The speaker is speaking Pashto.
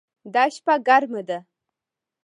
دا شپه ګرمه ده